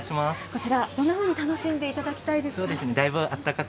こちら、どんなふうに楽しんでいただきたいですか。